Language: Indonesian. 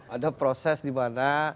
ada proses di mana